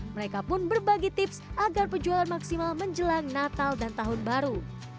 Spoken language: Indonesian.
mereka pun berbagi tips agar penjualan maksimal menjelang natal dan tahun baru